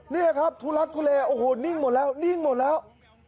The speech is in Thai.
นี่ครับตู้รักตู้แรกนิ่งหมดแล้ว